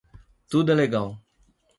Tudo é legal